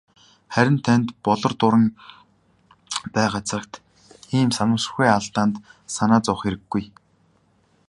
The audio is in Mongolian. Харин танд "Болор дуран" байгаа цагт ийм санамсаргүй алдаанд санаа зовох хэрэггүй.